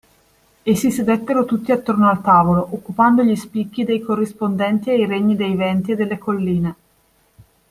E si sedettero tutti attorno al tavolo, occupando gli spicchi dei corrispondenti ai regni dei venti e delle colline.